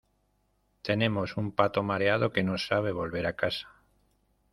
tenemos un pato mareado que no sabe volver a casa